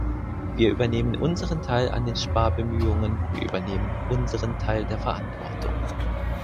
Wir übernehmen unseren Teil an den Sparbemühungen, wir übernehmen unseren Teil der Verantwortung.